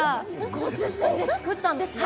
ご自身で作ったんですね